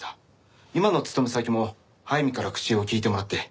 今の勤め先も速水から口を利いてもらって。